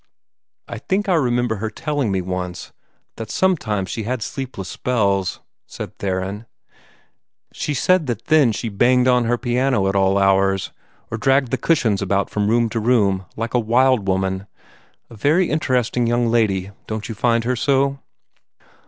"I think I remember her telling me once that sometimes she had sleepless spells," said Theron. "She said that then she banged on her piano at all hours, or dragged the cushions about from room to room, like a wild woman. A very interesting young lady, don't you find her so?"